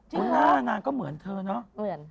หน้านางก็เหมือนเธอเนาะ